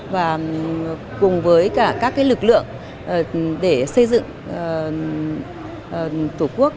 và cùng với cả các lực lượng để xây dựng tổ quốc